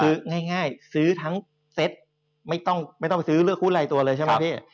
ซื้อง่ายซื้อทั้งเซ็ตไม่ต้องซื้อเลือกหู้ไรตัวเลยใช่มะพี่